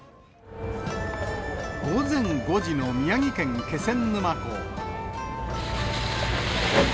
午前５時の宮城県気仙沼港。